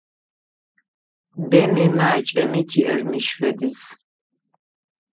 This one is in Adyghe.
Бэми макӏэми тиӏэр мыщ фэдиз.